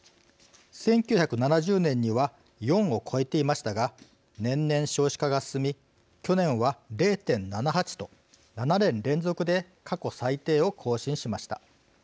１９７０年には４を超えていましたが年々少子化が進み去年は０．７８と７年連続で過去最低を更新しました。